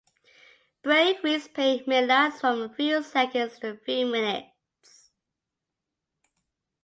Brain-freeze pain may last from a few seconds to a few minutes.